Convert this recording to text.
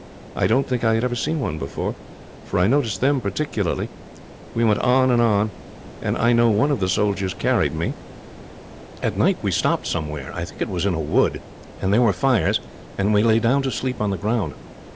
I don't think I had ever seen one before, for I noticed them particularly. We went on and on, and I know one of the soldiers carried me. "At night we stopped somewhere. I think it was in a wood, and there were fires, and we lay down to sleep on the ground.